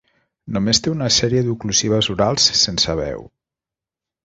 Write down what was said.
Només té una sèrie d'oclusives orals sense veu.